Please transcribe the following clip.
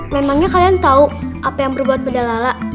memangnya kalian tahu apa yang berbuat pada lala